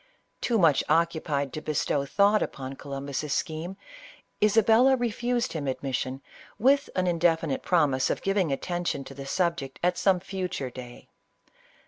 Too much occupied to bestow thought upon Columbus' scheme, Isabella refused him admission, with an indefinite promise of giving atten tion to the subject at some future day.